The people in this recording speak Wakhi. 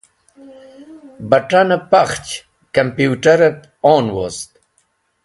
Bat̃anẽ pakhch (clik) kampũterẽb on wost.